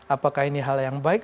apakah ini hal yang baik